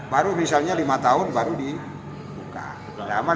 baru misalnya lima tahun baru dibuka